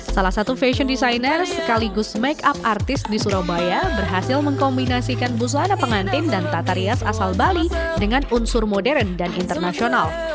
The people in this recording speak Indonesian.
salah satu fashion designer sekaligus make up artis di surabaya berhasil mengkombinasikan busana pengantin dan tata rias asal bali dengan unsur modern dan internasional